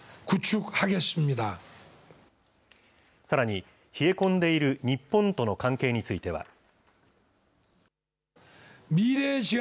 さらに、冷え込んでいる日本との関係については。